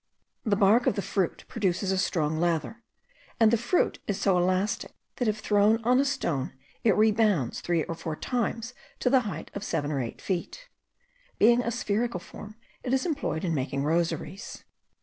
The bark of the fruit produces a strong lather; and the fruit is so elastic that if thrown on a stone it rebounds three or four times to the height of seven or eight feet. Being a spherical form, it is employed in making rosaries.